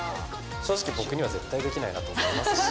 正直、僕には絶対できないなと思いますし。